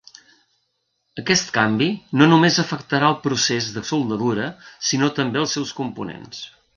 Aquest canvi no només afectarà el procés de soldadura sinó també als seus components.